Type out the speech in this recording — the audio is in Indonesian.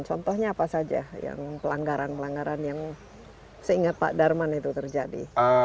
contohnya apa saja yang pelanggaran pelanggaran yang seingat pak darman itu terjadi